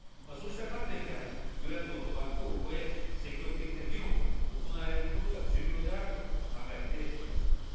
そうした観点から、与野党の枠を超え、積極的な議論が行われることが重要であると考えております。